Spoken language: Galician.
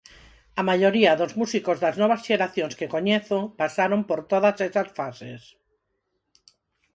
A maioría dos músicos das novas xeracións que coñezo pasaron por todas esas fases.